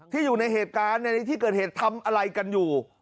อยู่ในเหตุการณ์ในที่เกิดเหตุทำอะไรกันอยู่